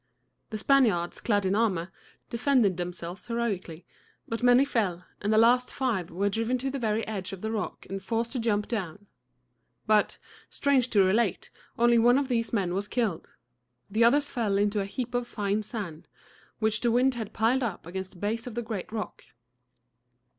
The Spaniards, clad in armor, defended themselves heroically; but many fell, and the last five were driven to the very edge of the rock and forced to jump down. But, strange to relate, only one of these men was killed. The others fell into a heap of fine sand, which the wind had piled up against the base of the great rock.